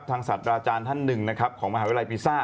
ทางศัตริย์อาจารย์ท่านหนึ่งของมหาวิทยาลัยพีซ่า